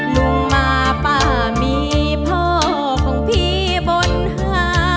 ลุงมาป้ามีพ่อของพี่บนหา